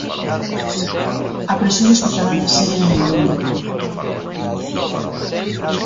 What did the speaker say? A presión hospitalaria segue diminuíndo.